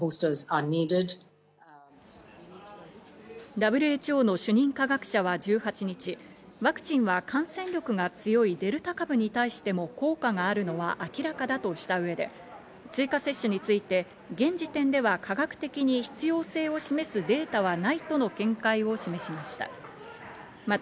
ＷＨＯの主任科学者は１８日、ワクチンは感染力が強いデルタ株に対しても効果があるのは明らかだとした上で追加接種について現時点では科学的に必要性を示すデータはないとの見解を示しました。